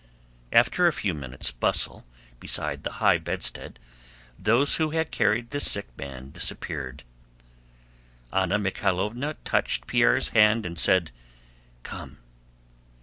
After a few minutes' bustle beside the high bedstead, those who had carried the sick man dispersed. Anna Mikháylovna touched Pierre's hand and said, "Come."